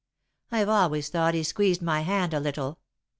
I've always thought he squeezed my hand a little.